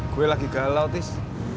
gue lagi galau tis